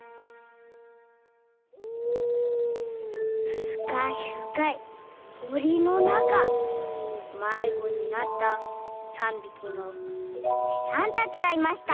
ふかいふかいもりのなかまいごになった３びきのむしさんたちがいました。